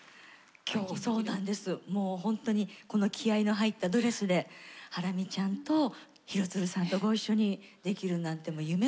もうほんとにこの気合いの入ったドレスでハラミちゃんと廣津留さんとご一緒にできるなんて夢のようです。